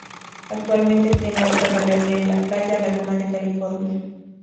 Actualmente tiene otra galería en la Playa Laguna de California.